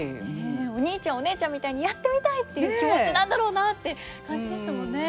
お兄ちゃんお姉ちゃんみたいにやってみたいっていう気持ちなんだろうなって感じましたもんね。